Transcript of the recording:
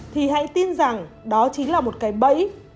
thì hãy tin rằng đó chính là một cái bẫy